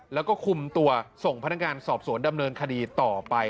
แล้วก็คุมตัวส่งพนักงานสอบสวนดำเนินคดีต่อไป